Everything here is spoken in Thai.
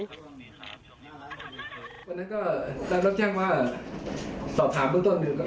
วันนั้นก็ด้านรับแจ้งว่าสอบถามเรื่องต้นหนึ่ง